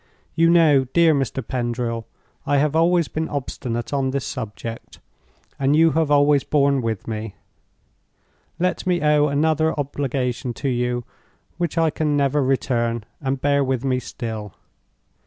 You know, dear Mr. Pendril, I have always been obstinate on this subject, and you have always borne with me. Let me owe another obligation to you which I can never return, and bear with me still!